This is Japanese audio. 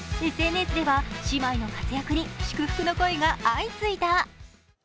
ＳＮＳでは姉妹の活躍に祝福の声が相次いだ。